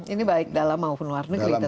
ini baik dalam maupun luar negeri tentunya ya